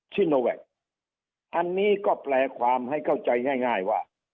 ซิโนแวคอันนี้ก็แปลความให้เข้าใจง่ายว่า